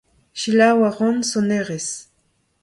Selaou a ran sonerezh.